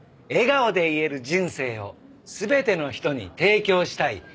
「笑顔で言える人生を全ての人に提供したい」